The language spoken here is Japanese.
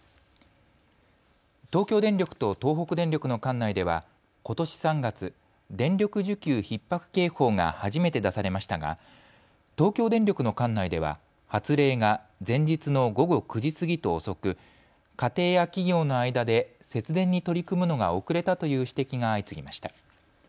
東京電力と東北電力の管内ではことし３月、電力需給ひっ迫警報が初めて出されましたが東京電力の管内では発令が前日の午後９時過ぎと遅く家庭や企業の間で節電に取り組むのが遅れたという指摘が相次ぎました。